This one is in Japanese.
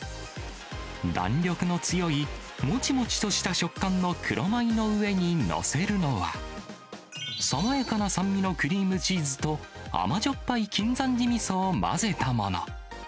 弾力の強いもちもちとした食感の黒米の上に載せるのは、爽やかな酸味のクリームチーズと、甘じょっぱい金山寺みそを混ぜたもの。